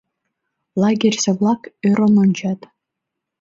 Лагерьысе-влак ӧрын ончат.